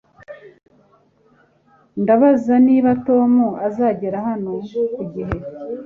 Ndabaza niba Tom azagera hano ku gihe